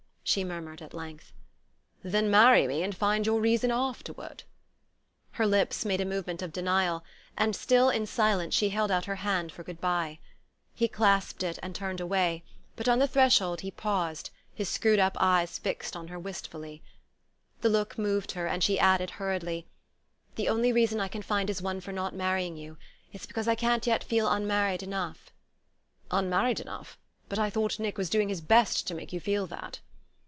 she murmured at length. "Then marry me, and find your reason afterward." Her lips made a movement of denial, and still in silence she held out her hand for good bye. He clasped it, and then turned away; but on the threshold he paused, his screwed up eyes fixed on her wistfully. The look moved her, and she added hurriedly: "The only reason I can find is one for not marrying you. It's because I can't yet feel unmarried enough." "Unmarried enough? But I thought Nick was doing his best to make you feel that."